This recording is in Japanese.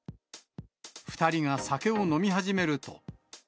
２人が酒を飲み始めると。